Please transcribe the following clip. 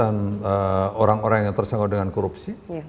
dalam urusan orang orang yang tersangkut dengan korupsi